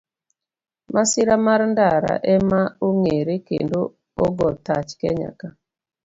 Masira mar ndara ema ong'ere kendo ogo thach Kenya ka.